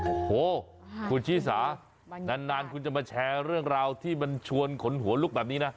โอ้โหคุณชิสานานคุณจะมาแชร์เรื่องราวที่มันชวนขนหัวลุกแบบนี้นะ